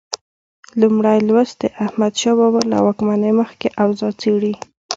لومړی لوست د احمدشاه بابا له واکمنۍ مخکې اوضاع څېړي.